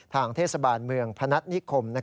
ทางเทศบาลเมืองพนัฐนิคม